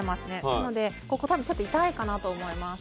なので、ここ、ちょっと痛いかなと思います。